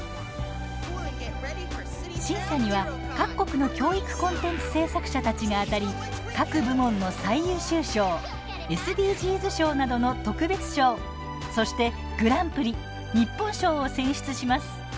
審査には各国の教育コンテンツ制作者たちがあたり各部門の最優秀賞ＳＤＧｓ賞などの特別賞そして、グランプリ日本賞を選出します。